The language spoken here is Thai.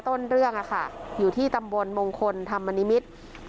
ต้นเรื่องอยู่ที่ตำบลมงคลธรรมนิมิตร